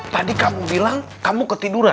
tadi kamu bilang kamu ketiduran